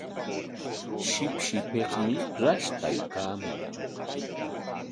Shipshipikmi rashtaykaamun.